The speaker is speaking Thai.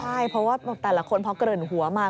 ใช่เพราะว่าแต่ละคนพอเกริ่นหัวมา